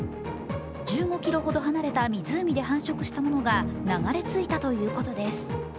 １５ｋｍほど離れた湖で繁殖したものが流れ着いたということです。